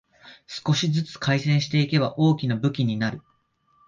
少しずつ改善していけば大きな武器になる